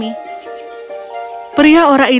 tidak minat lagi